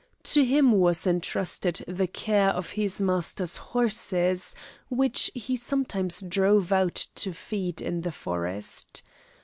To him was entrusted the care of his master's horses, which he sometimes drove out to feed in the forest.